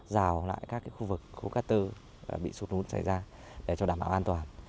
rào lại các khu vực hố cắt tơ bị sụt lún xảy ra để cho đảm bảo an toàn